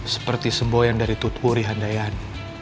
seperti semboyang dari tuturihandaihan